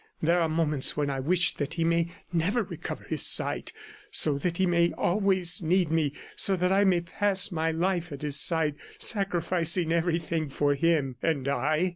... There are moments when I wish that he may never recover his sight, so that he may always need me, so that I may pass my life at his side, sacrificing everything for him." "And I?"